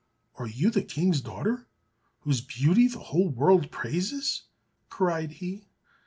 "Are you the King's daughter, whose beauty the whole world praises?" cried he.